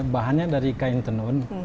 bahannya dari kain tenun